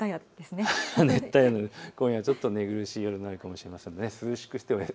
今夜はちょっと寝苦しい夜になるかもしれません。